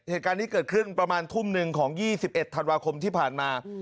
เหตุการณ์นี้เกิดขึ้นประมาณทุ่มหนึ่งของ๒๑ธันวาคมที่ผ่านมา